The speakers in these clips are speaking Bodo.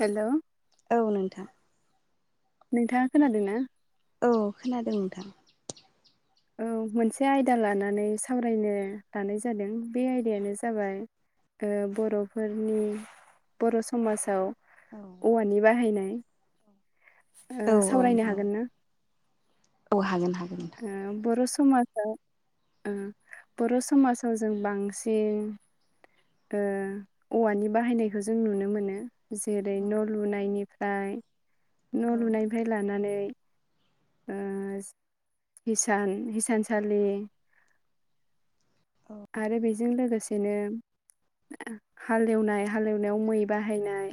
हेल' औ नोंथां नोंथाङा खोनादों ना? औ खोनादों नोंथां। औ मोनसे आयदा लानानै सावरायनो लानाय जादों बे आयदायानो जाबाय ओ बर'फोरनि बर' समाजाव औ औवानि बाहायनाय। ओ औ सावरायनो औ औ हागोन ना? औ हागोन हागोन। ओ नोंथां बर' समाजा ओ बर' समाजाव जों बांसिन ओ औवानि बाहायनायखौ जों नुनो मोनो। जेरै न' लुनायनिफ्राय न' औ लुनायनिफ्राय लानानै ओ हिसान हिसानसालि औ आरो बेजों लोगोसेनो हाल एवनाय हाल एवनायाव मै बाहायनाय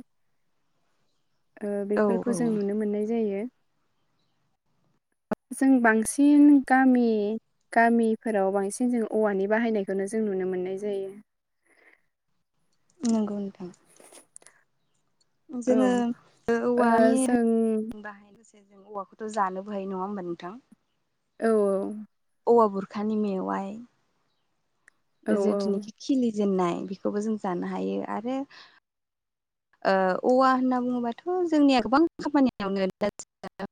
ओ औ बेफोरखौ औ जों नुनो मोननाय जायो। जों बांसिन गामि गामिफोराव बांसिन जों औवानि बाहायनायखौनो जों नुनो मोननाय जायो। नंगौ नोंथां। औ जोङो ओ औवानि बाहायनोसै जों औवाखौथ' जानोबो हायो नङा होमबा नोंथां। औ औ औवा बुरखानि मेवाइ औ जिथुनिखि औ खिलि जेननाय बेखौबो जों जानो हायो आरो ओ औवा होनना बुङोबाथ' जोंनिया गोबां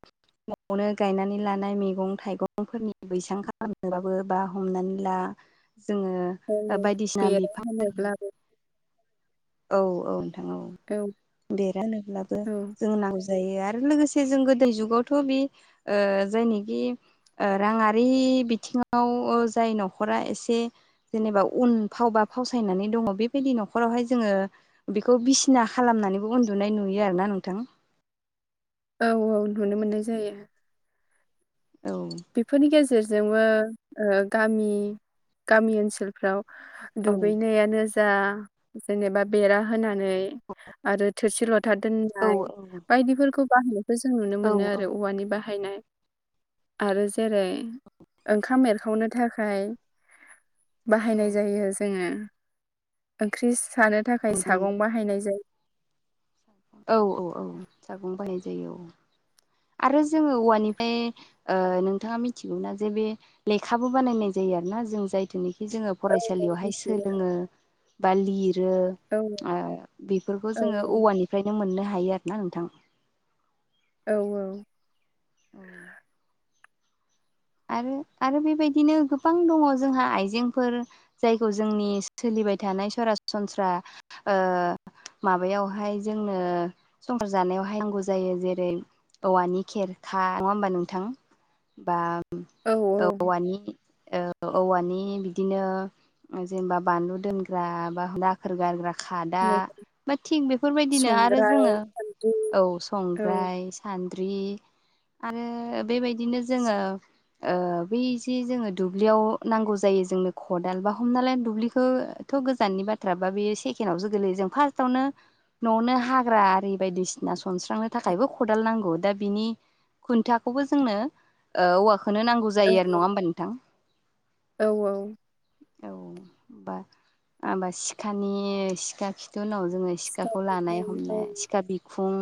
[unintelligible] न'आवनो गायनानै लानाय मैगं थाइगंफोरनि बैसां खालामबाबो बा हमनानै ला जोङो औ बायदिसिना बेरा बिफांनि होनोब्लाबो औ औ नोंथां औ बेरा होनोब्लाबो औ जों नांगौ जायो आरो लोगोसे जों गोदो जुगावथ' बे ओ जायनिखि ओ राङारि बिथिङाव जाय न'खरा एसे जेनेबा उन फाव बा फावसायनानै दङ बेबायदि न'खरावहाय जोङो बेखौ बिसिना खालामनानैबो उनदुनाय नुयो आरोना नोंथां। औ औ नुनो मोननाय जायो। औ। बिफोरनि गेजेरजोंबो ओ गामि गामि ओनसोलफ्राव औ दुगैनायानो जा जेनेबा बेरा होनानै आरो थोरसि लथ था औ दोननाय बायदिफोरखौ बाहायनायखौ जों नुनो औ मोनो औ आरो औवानि बाहायनाय। आरो जेरै ओंखाम एरखावनो थाखाय बाहायनाय जायो जोङो ओंख्रि सानो थाखाय नंगौ नंगौ सागं बाहायनाय जाय औ औ औ। सागं बाहाय जायो औ। आरो जोंङो औवानिफाय ओ नोंथांङा मिथिगौ नना जे बे लेखाबो बानायनाय जायो आरोना जों जायथुनिखि जोङो फरायसालियावहाय सोलोङो बा लिरो औ आ बिफोरखौ औ जोंङो औवानिफ्रायनो मोननो हायो आरो ना नोंथां। औ औ। औ। आरो आरो बेबायदिनो गोबां दङ जोंहा आइजेंफोर जायखौ जोंनि सोलिबाय थानाय सरासनस्रा ओ माबायावहाय जोंनो संसार जानायावहाय नांगौ जायो। जेरै औवानि खेरखा नंङा होमबा नोंथां बा औ औवानि ओ औवानि बिदिनो जेनेबा बानलु दोनग्रा बा [unintelligible] खोर गारग्रा खादा औ बा थिग बेफोरबायदिनो आरो संग्राय जोङो सान्द्रि औ औ संग्राय सानद्रि आरो बेबायदिनो जोङो ओ बैजे जोङो दुब्लियाव नांगौ जायो जोंनो खदाल बा हमनालाय दुब्लिखौ थ' गोजाननि बाथ्रा बा बेयो सेकेण्डआवसो गोलैयो जों फार्स्टआवनो न'नो हाग्रा आरि बायदिसिना सनस्रांनो थाखायबो खदाल नांगौ दा बिनि खुन्थाखौबो जोंनो ओ औवाखोनो नांगौ औ जायो आरो। नङा होमबा नोंथां? औ औ। औ हमबा आमबा सिखानि सिखा खिथु उनाव जोङो सिखा सिखाखौ लानाय औ औ हमनाय सिखा बिखुं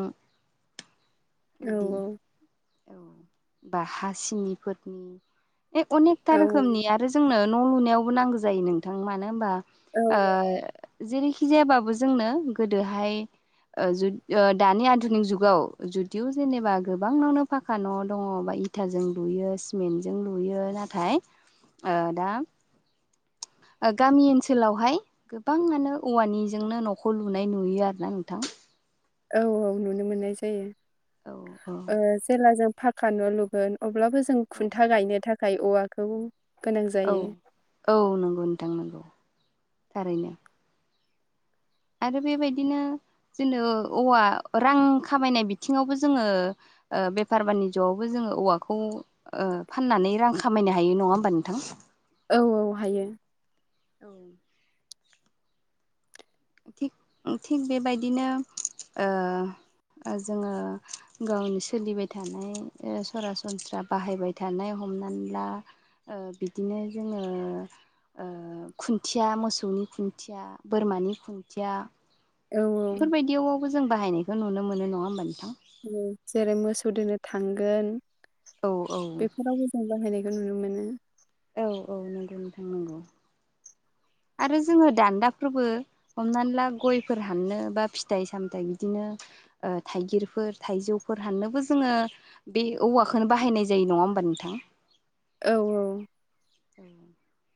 बिदि औ बा हासिनिफोरनि ए अनेकथा औ रोखोमनि आरो जोंनो न' लुनायावबो नांगो जायो नोंथां। मानो होनबा औ ओ जेरैखि जायाबाबो जोंनो गोदोहाय ओ जु ओ दानि आधुनिक जुगाव जुदिअ जेनेबा गोबांनावनो फाखा न' दङ बा इथाजों लुयो सिमेन्टजों लुयो नाथाय ओ दा ओ गामि ओनसोलावहाय गोबांआनो औवानिजोंनो न'खौ लुनाय नुयो आरो ना नोंथां। औ औ नुनो मोननाय जायो। औ ओ जेला जों फा खानन' लुगोन अब्लाबो जों औ खुन्था गायनो थाखाय औवाखौ गोनां औ जायो औ नोंगौ नोंथां नोंगौ थारैनो। आरो बेबायदिनो जेनो औवा रां खामायनाय बिथिङावबो जोङो ओ बेफार बानिज'आवबो जोङो औवाखौ ओ फाननानै रां खामायनो हायो। नंङा होमबा नोंथां? औ औ हायो। औ थिग थिग बेबायदिनो ओ ओ जोङो गावनि सोलिबाय थानाय ओ सरासनस्रा बाहायबाय थानाय हमनानै ला ओ बिदिनो जोङो ओ खुन्थिया मोसौनि खुन्थिया बोरमानि खुन्थिया औ बिफोर बायदियावबाबो जों बाहायनायखो नुनो मोनो। नङा होमबा नोंथां? उम जेरै मोसौ दोनो थांगोन औ औ बेफोरावबो जों बाहायनायखौ नुनो मोनो। औ औ नोंगौनो थांनांगौ। आरो जोंङो दान्दाखौबो हमनानै ला गयफोर हाननो बा फिथाइ-सामथाइ बिदिनो थाइगिरफोर थाइजौफोर हाननोबो जोङो ओ बे औवाखौनो बाहायनाय जायो नङा होमबा नोंथां? औ। [unintelligible]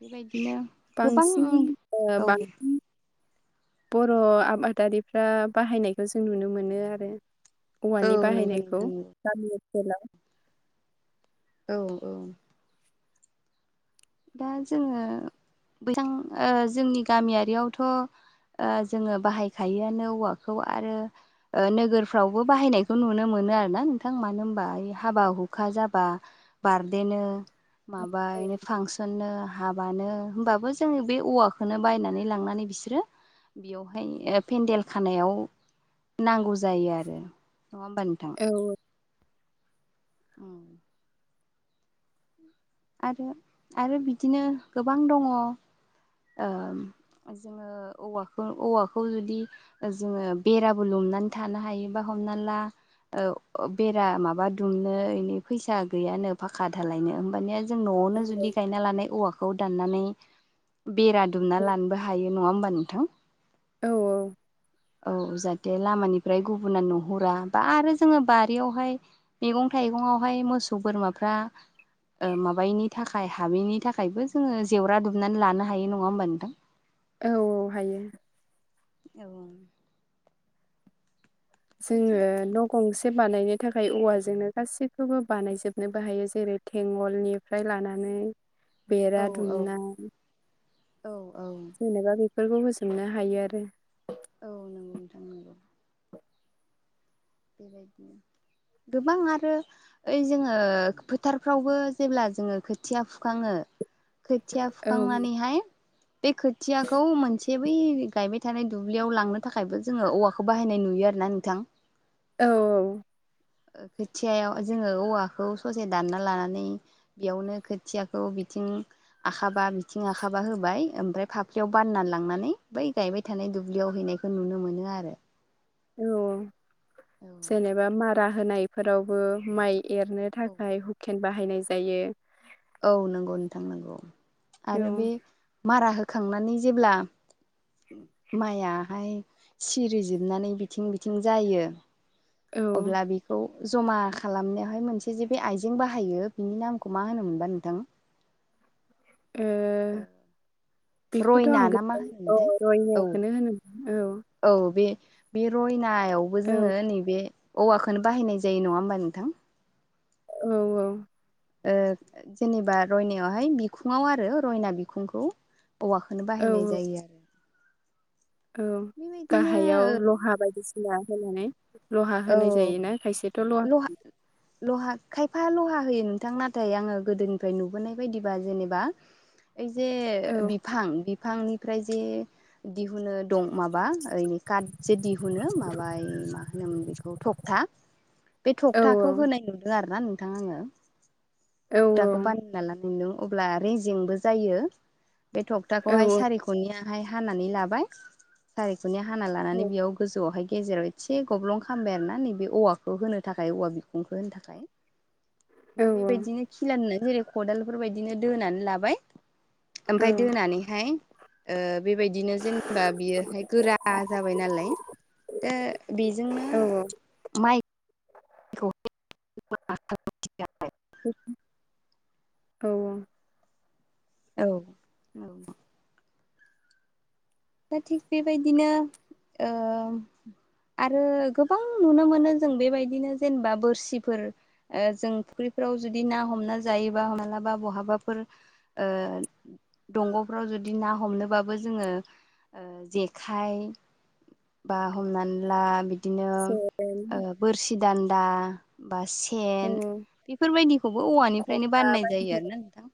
बेबादिनो बांसिन ओ बांसिन बर' आबादारिफ्रा बाहायनायखौ जों नुनो मोनो आ औ औवानि नंगौ बाहायनायखौ नोंथां नंगौ गामि ओनसोलाव औ। दा जोङो बिथां जोंनि गामियारियावथ' जोङो बाहायखायोआनो जों औवाखौ आरो नोगोरफ्रावबो बाहायनायखौ नुनो मोनो आरो ना नोंथां मानो होनबा हाबा हुखा जाबा बारदे नो माबा थिसननो हाबानो होमबाबो जोङो बे औवाखौनो बायनानै लांनानै बिसोरोनो बेयावहाय पेन्देल खानायाववो नांगौ जायो आरो नंङा होमबा नोंथांङा। औ औ। आरो आरो बिदिनो गोबां दङ औ जोङो औवाखौ औवाखौ जुदि जोङो बेराबो लुमनानै थानो हायोबा हमना ला बेरा माबा दुमनो इै फैसा गैयानो फाखा धालायनो होमबानिया माने जों न'आवनो जुदि गायना लानाय औवाखौ दाननानै बेरा दुमना लानोबो हायो। बे नङा होमबा नोंथां। औ औ। औ जाहाथे लामानिफ्राय गुबुना नुहुरा बा आरो जोङो बारियावहायो मैगं थाइगंआवहाय मोसौ बोरमाफ्राबो माबायनि थाखाय हाबैनि थाखायबो जोङो जेवरा दुबनानै लानो हायो नङा होमबा नोंथां। औ औ हायो। ए औ थिग जोङो [unintelligible] गंसे बानायनो थाखाय औवाजोंनो गासैखौबो बानायजोबनोबो हायो जेरै थेंगलनि फ्राय लानानै। औ बेरा औ दुमनाय औ औ। जेनेबा बेफोरखौ होजोबनो हायो आरोखि औ नंगौ नोंथां नंगौ। [unintelligible] गोबां आरो ओइ जोङो फोथारफ्रावबो जेब्ला जोङो खोथिया फुखाङो खोथिया औ फुखांनानैहाय बे खोथियाखौ मोनसे बै गायबाय थानाय दुब्लियाव लांनो थाखायबो जोङो औवाखौ। बेखौ बाहायनाय नुयो आरोना नोंथां। औ। खोथियायाव जोङो औवाखौ ससे दानना लानानैओ बेयावनो खोथियाखौ बिथिं आखाबा बिथिं आखाबा होबाय ओमफ्राय फाफ्लियाव बानना लांनानै बै गायबाय थानायो थानाय दुब्लियाव हैनायखौ नुनो मोनो आरो। औ जेनेबा मारा होनायफोरावबो माइ एरनो थाखाय हुखेन बाहायनाय जायो। औ नंगौ नोंथां नंगौ आरो बे औ मारा होखांनानै जेब्ला माइआहाय सिरिजोबनानै बिथिं बिथिं जायो औ अब्ला बि जमा खालामनायावहाय मोनसे जे बे आइजें बाहायो बिनि नामखौ मा होनोमोन बा नोंथां? ए बेखौथ' आं रयना गो ना मा औ होनोमोनथाय औ रयनाखौनो होनोमोन औ। औ बे बे रयनायावबो औ जोङो नैबे औवाखौनो बाहायनाय जायो नङा होमबा नोंथां। औ औ ओ जेनेबा रयनायावहाय बिखुङाव आरो रयना बिखुंखौ औवाखौनो औ बाहायनाय जायो आरो। औ बेबायदिनो गाहायाव लहा बायदिसिना होनानै लहा औ होनाय जायोना खायसेथ' लहा लहा खायफा लहा होयो नोंथां नाथाय आङो गोदोनिफ्राय नुबोनाय बायदिबा जेनेबा [inaudible] ओइ जे औ बिफां बिफांनिफ्राय जे दिहुनो दं माबा ओरैनो काट जे दिहुनो माबाय होनोमोन बेखौ थखथा बे औ थखथाखौ होनाय नुदों आरो ना नोंथां आङो। औ थखथाखौ बानायना लानायदों अब्ला रेजेंबो जायो बे औ थखथाखौहाय सारिख नियाहाय हानानै लाबाय सारिख'निया हाना लानानै बेयाव गोजौआवहाय गेजेराव एसे गब्लं खालामबाय आरो ना नैबे औवाखौ होनो थाखाय औवा बिखुंखौ होनो थाखाय। औ ओमफ्राय बेबायदिनो खिला होनो जेरै खदालफोरबायदिनो दोनानै लाबाय। औ ओमफ्राय दोनानैहाय ओ बेबायदिनो जेनबा होनबा बियोहाय गोरा जाबाय नालाय दा बेजोंनो औ माइ [unintelligible] [unintelligible] औ औ औ दा थिग बेबायदिनो ओ आरो गोबां नुनो मोनो जों बेबायदिनो जेनेबा बोरसिफोर जों फुख्रिफोराव जुदि ना हमना जायोबा मालाबा बहाबाफोर ओ दंग'फ्राव जुदि ना हमनोबाबो जोङो ओ जेखाय बा हमनानै ला बि बिदिनो बोरसि दान्दा बा सेन बेफोरबायदिखौबो औवानिफ्रायनो बाननाय जायो आरो ना नोंथां।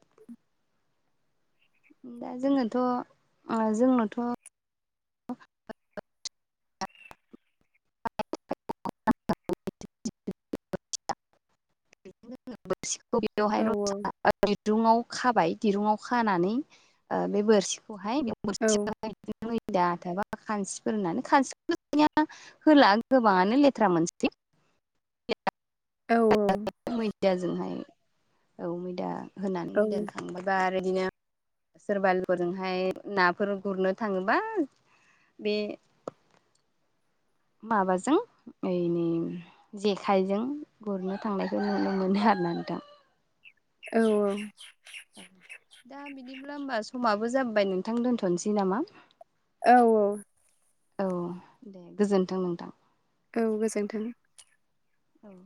दा जोंनोथ' आ जोंनोथ' [unintelligible] [unintelligible] [unintelligible] दिरुंआव खाबाय दिरुुंआव खानानै बे ओ बोरसिखौहाय बे बोरसिखौहाय [unintelligible] [unintelligible] होला गोबाङानो लेथ्रा मोनसै। औ [unintelligible] मैदा होनानै मैदाजों होबाय आरो बिदिनो सोरबारिफोरजोंहाय नाफोर गुरनो थाङोबा बे माबाजों ओ नै जेखाइजों गुरनो थांनायखौ नुनो मोनो आरो ना नोंथां। औ औ दा बिदिब्ला होमबा समाबो जाबाय नोंथां दोनथ'नोसै नामा? औ औ औ दे गोजोन्थों नोंथां। औ गोजोन्थों। औ